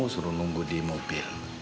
suruh nunggu di mobil